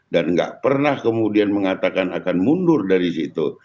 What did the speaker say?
dan nggak pernah kemudian mengatakan akan mundur dari situ